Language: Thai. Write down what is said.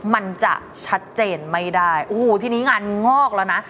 มันจะชัดเจนไม่ได้โอ้โหทีนี้งานงอกแล้วนะ